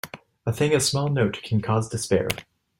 A thing of small note can cause despair.